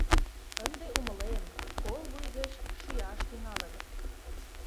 Ынде умылем: кол вуй гыч шӱяш тӱҥалын...